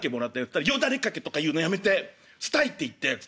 ったら「よだれ掛けとか言うのやめてスタイって言って」。